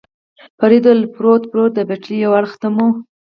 فرید وویل: پروت، پروت، د پټلۍ یو اړخ ته مو.